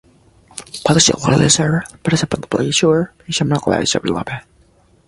The planets, sun and moon were also replaced by biblical figures.